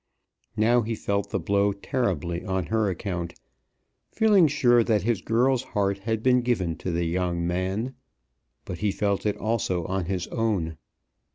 Now he felt the blow terribly on her account, feeling sure that his girl's heart had been given to the young man; but he felt it also on his own.